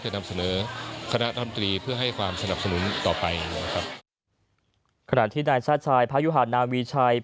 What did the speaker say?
ได้เสนอกรตส่วนความสนุนต่อไป